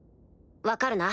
分かるな？